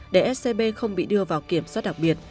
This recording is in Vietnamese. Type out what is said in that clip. để scb không bị đưa vào kiểm soát đặc biệt